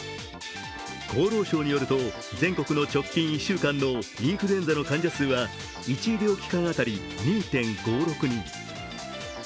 厚労省によると、全国の直近１週間のインフルエンザの患者数は１医療機関当たり２．５６人。